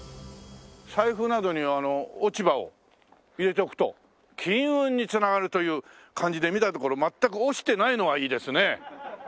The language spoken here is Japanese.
財布などに落ち葉を入れておくと金運に繋がるという感じで見たところ全く落ちてないのがいいですね。